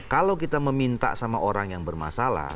kalau kita meminta sama orang yang bermasalah